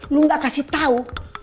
lu nggak kasih tau